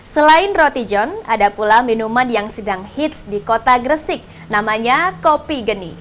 selain roti john ada pula minuman yang sedang hits di kota gresik namanya kopi geni